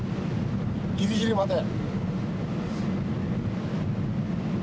ギリギリまで。